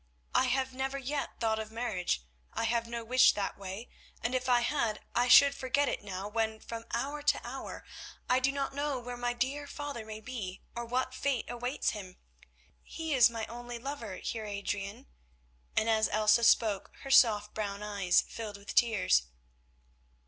I have never yet thought of marriage, I have no wish that way, and if I had, I should forget it now when from hour to hour I do not know where my dear father may be, or what fate awaits him. He is my only lover, Heer Adrian," and as Elsa spoke her soft brown eyes filled with tears.